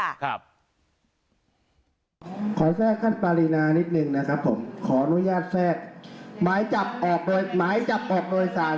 เพราะว่ามันได้ให้เขียนอย่าชี้ที่นี่ไม่ใช่ม็อบนะครับ